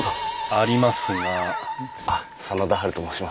ありますがあっ真田ハルと申します。